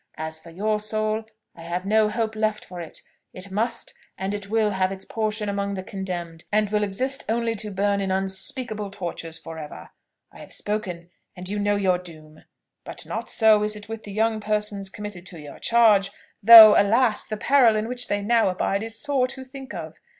As for your soul I have no hope left for it: it must, and it will have its portion among the condemned, and will exist only to burn in unspeakable tortures for ever. I have spoken, and you know your doom. But not so is it with the young persons committed to your charge; though, alas! the peril in which they now abide is sore to think of.